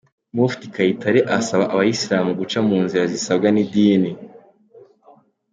Mufti Kayitare asaba Abayisilamu guca mu nzira zisabwa n’idini….